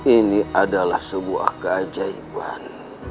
ini adalah sebuah keajaiban